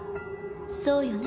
そうよね？